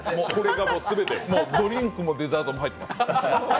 ドリンクもデザートも入ってます。